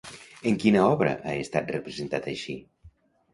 En quina obra ha estat representat així?